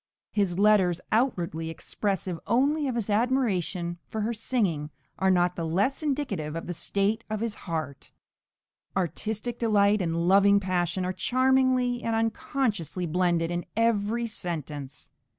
His letters, outwardly expressive only of his admiration for her singing, are not the less indicative of the state of his heart; artistic delight and loving passion are charmingly and unconsciously blended in every sentence.